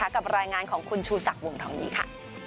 กับรายงานของคุณชูศักดิ์วงทองดีค่ะ